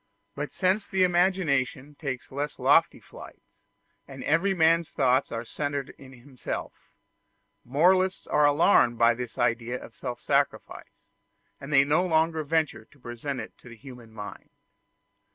But since the imagination takes less lofty flights and every man's thoughts are centred in himself, moralists are alarmed by this idea of self sacrifice, and they no longer venture to present it to the human mind.